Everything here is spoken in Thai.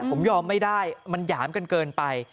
ผมยอมไม่ได้มันหยามกันเกินไป